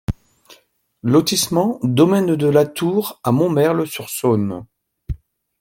Lotissement Domaine de la Tour à Montmerle-sur-Saône